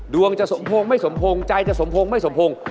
จะสมพงษ์ไม่สมพงษ์ใจจะสมพงษ์ไม่สมพงษ์